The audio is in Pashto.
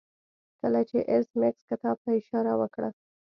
کله چې ایس میکس کتاب ته اشاره وکړه